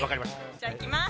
じゃあ行きます。